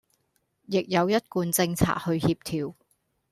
亦有一貫政策去協調